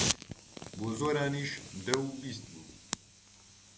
بۆ زۆرانیش دە و بیست بوو.